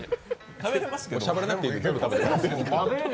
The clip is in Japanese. しゃべらなくていいんで。